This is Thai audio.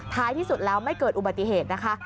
ท้ายที่สุดแล้วไม่เกิดอุบัติเหตุนะคะ